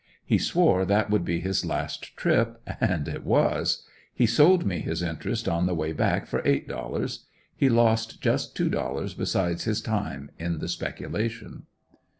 He swore that would be his last trip and it was. He sold me his interest on the way back for eight dollars; he lost just two dollars besides his time in the speculation.